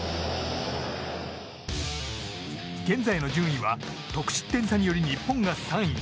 現在の順位は得失点差により日本が３位。